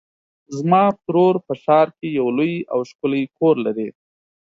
زما ترور په ښار کې یو لوی او ښکلی کور لري.